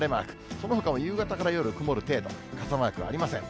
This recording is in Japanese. そのほかも夕方から夜、曇る程度、傘マークはありません。